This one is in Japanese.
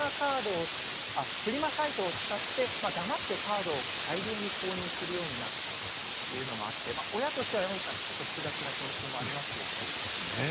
フリマサイトを使って黙ってカードを大量に購入するようになったというのもあって親としてはちょっと複雑な気持ちもありますね。